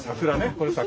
これ桜。